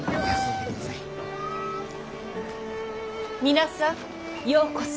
皆さんようこそ。